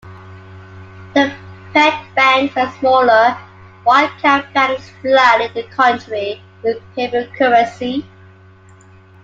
The pet banks and smaller "wildcat" banks flooded the country with paper currency.